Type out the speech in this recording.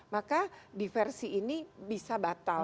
maka diversi ini bisa batal